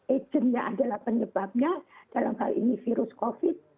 agentnya adalah penyebabnya dalam hal ini virus covid